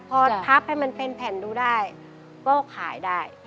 พอพับให้มันเป็นแผ่นดูได้ก็ขายได้